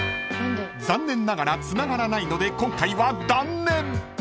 ［残念ながらつながらないので今回は断念］